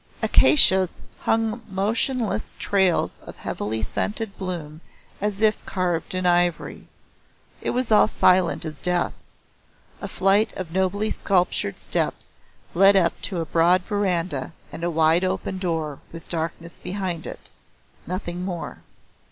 Acacias hung motionless trails of heavily scented bloom as if carved in ivory. It was all silent as death. A flight of nobly sculptured steps led up to a broad veranda and a wide open door with darkness behind it. Nothing more.